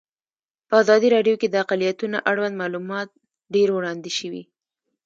په ازادي راډیو کې د اقلیتونه اړوند معلومات ډېر وړاندې شوي.